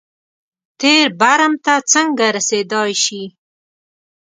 تېر برم ته څنګه رسېدای شي.